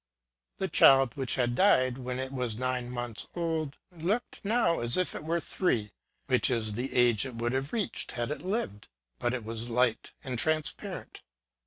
The child, which had died when it was nine months old^ looked now as if it were three ŌĆö which is the age it would have reached had it lived ŌĆö but it was light and transparent.